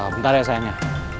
bentar ya sayangnya